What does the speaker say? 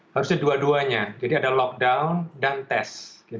harusnya dua duanya jadi ada lockdown dan tes